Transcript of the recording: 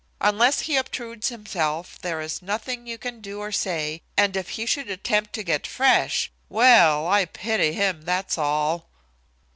Unless he obtrudes himself there is nothing you can do or say, and if he should attempt to get fresh well, I pity him, that's all."